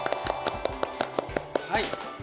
はい。